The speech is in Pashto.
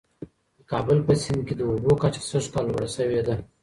د کابل په سیند کي د اوبو کچه سږ کال لوړه سوې ده.